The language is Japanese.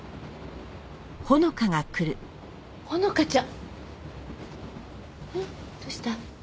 穂花ちゃん。どうした？